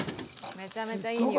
めちゃめちゃいい匂い。